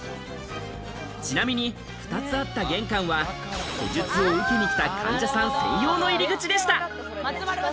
ちなみに２つあった玄関は手術を受けに来た患者さん専用の入り口でした。